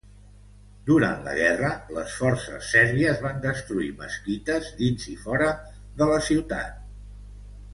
Durant la guerra les forces sèrbies van destruir mesquites dins i fora de la ciutat.